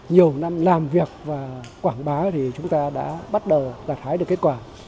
nhiều năm làm việc và quảng bá thì chúng ta đã bắt đầu đạt hái được kết quả